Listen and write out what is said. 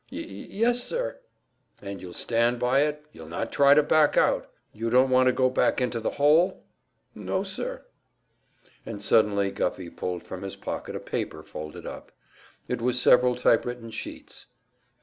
"Y y yes, sir." "And you'll stand by it? You'll not try to back out? You don't want to go back into the hole?" "No, sir." And suddenly Guffey pulled from his pocket a paper folded up. It was several typewritten sheets.